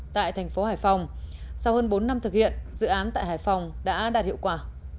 tại thành phố hải phòng sau hơn bốn năm thực hiện dự án tại hải phòng đã đạt hiệu quả